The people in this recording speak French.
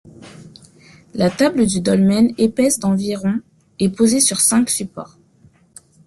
La table du dolmen, épaisse d'environ est posée sur cinq supports.